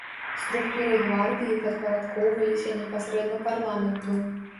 Структуры гвардыі падпарадкоўваліся непасрэдна парламенту.